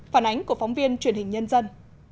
phản ánh của phóng viên truyền hình nhân dân